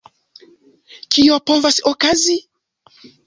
Kio povas okazi?